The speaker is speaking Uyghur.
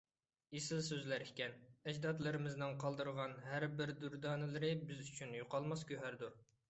ئېسىل سۆزلەر ئىكەن، ئەجدادلىرىمىزنىڭ قالدۇرغان ھەر بىر دۇردانىلىرى بىز ئۈچۈن يوقالماس گۆھەردۇر.